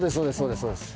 そうです